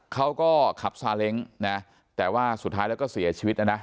เขาก็ขับซาเล้งนะแต่ว่าสุดท้ายแล้วก็เสียชีวิตนะนะ